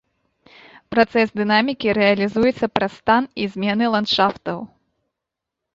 Працэс дынамікі рэалізуецца праз стан і змены ландшафтаў.